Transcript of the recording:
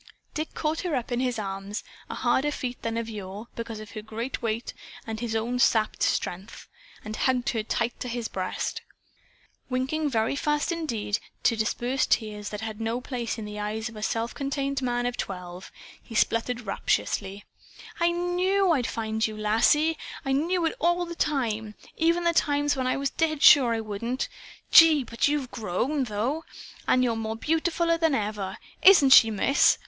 Dick caught her up in his arms a harder feat than of yore, because of her greater weight and his own sapped strength, and hugged her tight to his breast. Winking very fast indeed to disperse tears that had no place in the eyes of a self contained man of twelve, he sputtered rapturously: "I KNEW I'd find you, Lassie I knew it all the time; even the times when I was deadsure I wouldn't! Gee, but you've grown, though! And you're beautifuler than ever. Isn't she, Miss?"